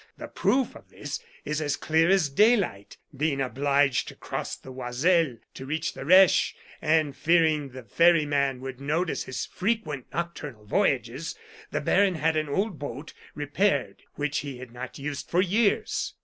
The proof of this is as clear as daylight. Being obliged to cross the Oiselle to reach the Reche, and fearing the ferryman would notice his frequent nocturnal voyages, the baron had an old boat repaired which he had not used for years."